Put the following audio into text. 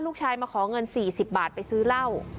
ลูกชายมาขอเงิน๔๐บาทไปซื้อเหล้า